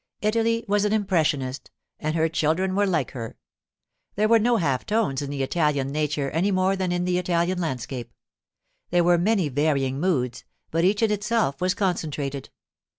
Italy was an impressionist, and her children were like her. There were no half tones in the Italian nature any more than in the Italian landscape. There were many varying moods, but each in itself was concentrated.